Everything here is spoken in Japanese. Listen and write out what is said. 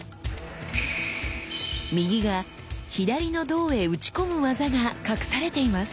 右が左の胴へ打ち込む技が隠されています！